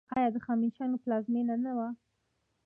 آیا دا د هخامنشیانو پلازمینه نه وه؟